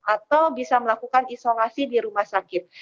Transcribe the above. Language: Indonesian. atau bisa melakukan isolasi di rumah sakit